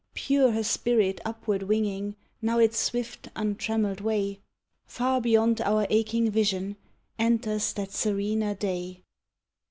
Pure her spirit upward winging now its swift, untrameled way, Far beyond our aching vision, enters that serener day.